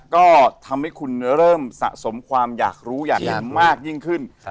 ก็ทำให้คุณเริ่มสะสมความอยากรู้อยากเห็นมากยิ่งขึ้น